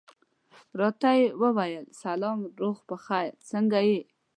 راته یې وویل سلام، روغ په خیر، څنګه یې؟